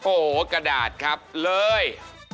โอ้โหกระดาษครับเลย